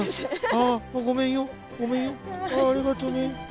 ありがとね。